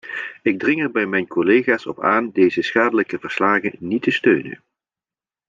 Ik dring er bij mijn collega's op aan deze schadelijke verslagen niet te steunen.